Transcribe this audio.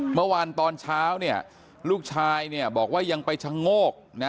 เมื่อวานตอนเช้าลูกชายบอกว่ายังไปชะโงก